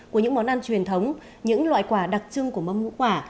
của những món ăn truyền thống những loại quả đặc trưng của mâm ngũ quả